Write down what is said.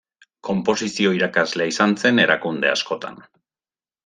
Konposizio-irakaslea izan zen erakunde askotan.